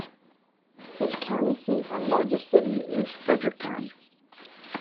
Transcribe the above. Its county seat and largest city is Fredericktown.